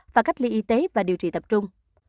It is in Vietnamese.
và cách ly y tế và điều trị tập trung